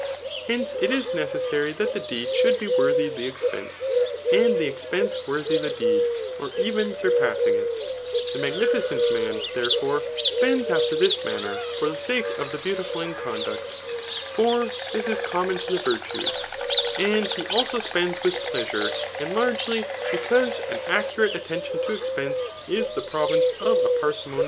Hence, it is necessary that the deed should be worthy the expense, and the expense worthy the deed, or even surpassing it. The magnificent man, therefore, spends after this manner for the sake of the beau^ul in conduct ; for this is common to the virtues ; and he also spends with pleasure and largely, because an accurate at tention to expense, is the province of a parsimonious ' These are the words of Ulysses, when begging money of Anr tinous, Odyss.